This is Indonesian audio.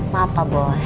maaf pak bos